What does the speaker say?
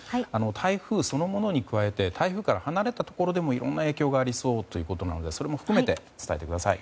台風そのものに加えて台風から離れたところでもいろんな影響がありそうということなのでそれも含めて、伝えてください。